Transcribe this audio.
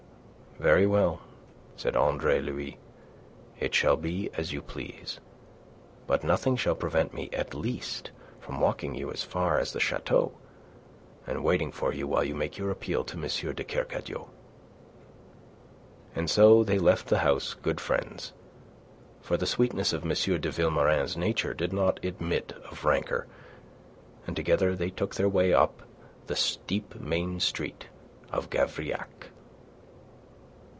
"Very well," said Andre Louis. "It shall be as you please. But nothing shall prevent me at least from walking with you as far as the chateau, and waiting for you while you make your appeal to M. de Kercadiou." And so they left the house good friends, for the sweetness of M. de Vilmorin's nature did not admit of rancour, and together they took their way up the steep main street of Gavrillac.